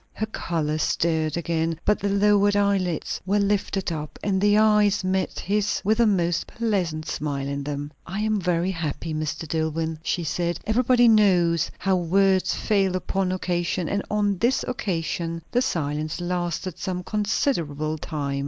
Her colour stirred again, but the lowered eyelids were lifted up, and the eyes met his with a most blessed smile in them. "I am very happy, Mr. Dillwyn," she said. Everybody knows how words fail upon occasion; and on this occasion the silence lasted some considerable time.